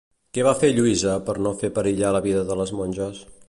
Què va fer Lluïsa per no fer perillar la vida de les monges?